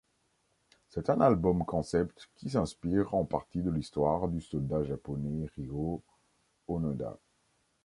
C'est un album-concept qui s'inspire en partie de l'histoire du soldat japonais Hirō Onoda.